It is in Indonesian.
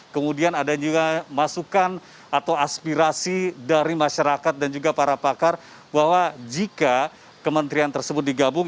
kemudian ada juga masukan atau aspirasi dari masyarakat dan juga para pakar bahwa jika kementerian tersebut digabung